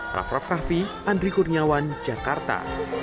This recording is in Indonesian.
raff raff kahvi andri kurniawan jakarta